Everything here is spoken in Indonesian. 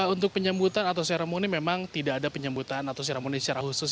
untuk penyambutan atau seremoni memang tidak ada penyambutan atau seremoni secara khusus